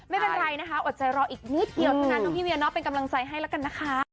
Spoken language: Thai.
ไม่เป็นไรนะคะอดใจรออีกนิดเดียวเท่านั้นน้องพี่เวียเนาะเป็นกำลังใจให้แล้วกันนะคะ